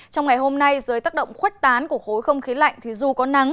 trong ngày hôm nay dưới tác động khuếch tán của khối không khí lạnh thì dù có nắng